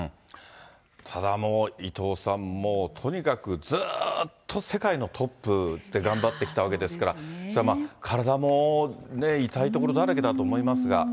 ただもう、伊藤さん、とにかくずっと世界のトップで頑張ってきたわけですから、それは体も痛いところだらけだと思いますが。